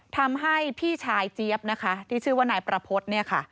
ทำให้พี่ชายเจี๊ยบนะคะที่ชื่อว่านายประพฤติเนี่ยค่ะ